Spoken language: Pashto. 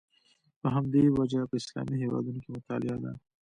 په همدې وجه په اسلامي هېوادونو کې مطالعه ده.